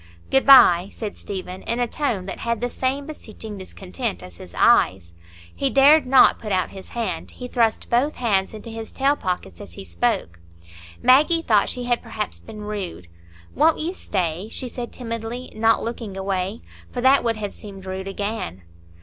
"Good bye," said Stephen, in a tone that had the same beseeching discontent as his eyes. He dared not put out his hand; he thrust both hands into his tail pockets as he spoke. Maggie thought she had perhaps been rude. "Won't you stay?" she said timidly, not looking away, for that would have seemed rude again.